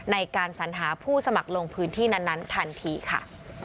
ในการสัญหาผู้สมัครลงพื้นที่นั้นทันทีค่ะ